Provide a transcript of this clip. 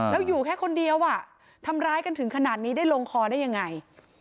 แล้วอยู่แค่คนเดียวอ่ะทำร้ายกันถึงขนาดนี้ได้ลงคอได้ยังไง